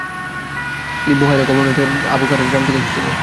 তিনি বুহাইরা গভর্নরেটের আবু-খারাশ গ্রাম থেকে এসেছিলেন।